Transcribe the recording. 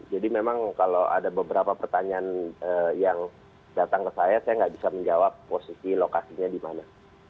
jadi memang kalau ada beberapa pertanyaan yang datang ke saya saya gak bisa menjawab posisi lokasinya di mana